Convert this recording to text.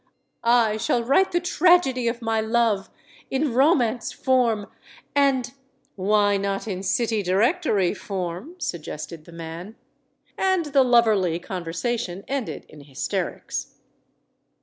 I shall write the tragedy of my love in romance form and "Why not in city directory form?" suggested the man. And the loverly conversation ended in hysterics.